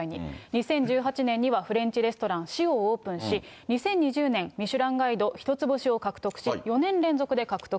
２０１８年にはフレンチレストラン、シオをオープンし、２０２０年、ミシュランガイド１つ星を獲得し、４年連続で獲得。